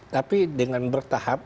tapi dengan bertahap